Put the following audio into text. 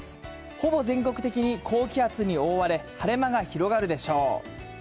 ほぼ全国的に高気圧に覆われ、晴れ間が広がるでしょう。